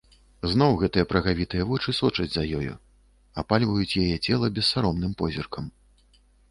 Зноў гэтыя прагавітыя вочы сочаць за ёю, апальваюць яе цела бессаромным позіркам.